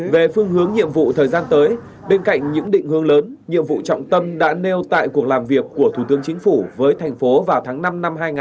về phương hướng nhiệm vụ thời gian tới bên cạnh những định hướng lớn nhiệm vụ trọng tâm đã nêu tại cuộc làm việc của thủ tướng chính phủ với thành phố vào tháng năm năm hai nghìn hai mươi bốn